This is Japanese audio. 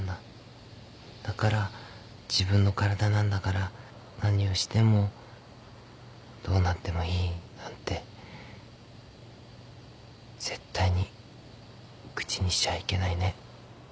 だから自分の体なんだから何をしてもどうなってもいいなんて絶対に口にしちゃいけないね。